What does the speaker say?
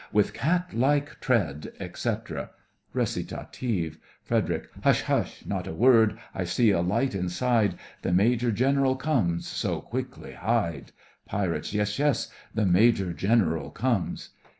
With cat like tread, etc. RECIT FREDERIC: Hush, hush! not a word; I see a light inside! The Major Gen'ral comes, so quickly hide! PIRATES: Yes, yes, the Major General comes!